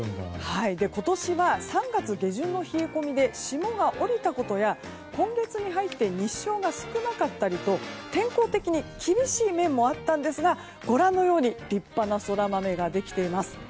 今年は３月下旬の冷え込みで霜が降りたことや今月に入って日照が少なかったりと天候的に厳しい面もあったんですが、ご覧のように立派な空豆ができています。